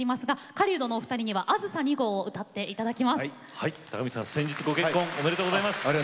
狩人のお二人には「あずさ２号」を高道さん、先日ご結婚おめでとうございます。